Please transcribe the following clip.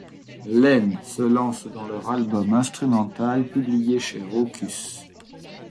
Len se lancent dans leur album instrumental ' publié chez Rawkus.